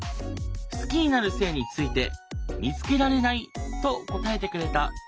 好きになる性について「見つけられない」と答えてくれた。